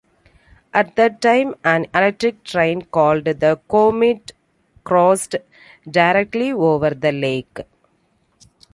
At that time, an electric train called the "Comet" crossed directly over the lake.